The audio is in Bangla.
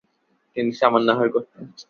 তিনি সামান্য আহার করতেন।